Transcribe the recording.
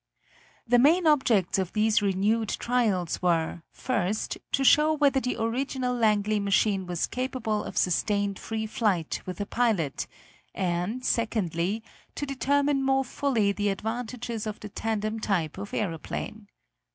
The main objects of these renewed trials were, first, to show whether the original Langley machine was capable of sustained free flight with a pilot, and, secondly, to determine more fully the advantages of the tandem type of aeroplane.